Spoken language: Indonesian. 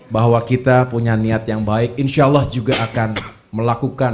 bahwa kita punya niat yang baik insya allah juga akan melakukan